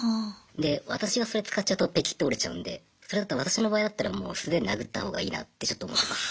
で私がそれ使っちゃうとペキッて折れちゃうんでそれだったら私の場合だったらもう素手で殴ったほうがいいなってちょっと思います